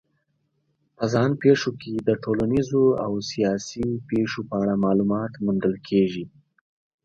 په ځان پېښو کې د ټولنیزو او سیاسي پېښو په اړه معلومات موندل کېږي.